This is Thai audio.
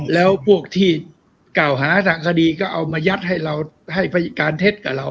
แล้วพวกที่เก่าหาถังคดีก็เอามายัดให้การเทศกับเรา